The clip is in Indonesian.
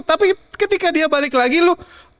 tapi ketika dia balik lagi lu